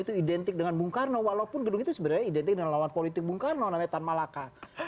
itu identik dengan bung karno walaupun gedung itu sebenarnya identik dengan lawan politik bung karno namanya tan malaka